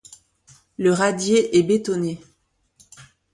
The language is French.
Le radier est bétonné.